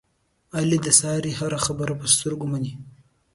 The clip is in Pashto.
علي د سارې هره خبره په سر سترګو مني.